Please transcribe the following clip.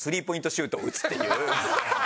シュートを打つっていう。